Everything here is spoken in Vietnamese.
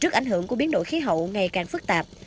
trước ảnh hưởng của biến đổi khí hậu ngày càng phức tạp